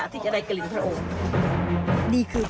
นี่จริงเหรอเราแต่คนกินไม่ดีทั้งนั้นค่ะ